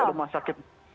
itu rumah sakit